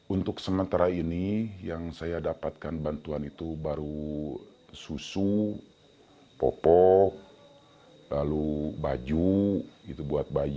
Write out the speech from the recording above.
untuk sementara ini yang saya dapatkan bantuan itu baru susu popok lalu baju buat bayi